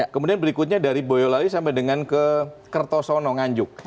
kemudian berikutnya dari boyolali sampai dengan ke kertosono nganjuk